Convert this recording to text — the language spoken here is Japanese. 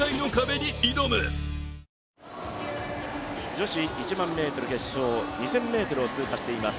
女子１００００ｍ決勝、２０００ｍを通過しています。